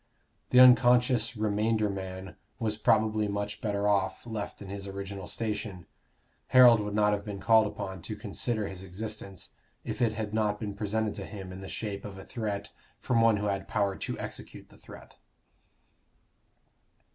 The unconscious remainder man was probably much better off, left in his original station: Harold would not have been called upon to consider his existence, if it had not been presented to him in the shape of a threat from one who had power to execute the threat.